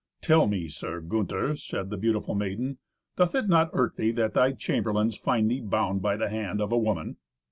"Tell me, Sir Gunther," said the beautiful maiden, "doth it not irk thee that thy chamberlains find thee bound by the hand of a woman."